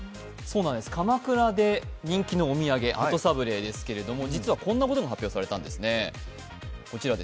鎌倉で人気のお土産鳩サブレーですけれども実はこんなことが発表されたんですね。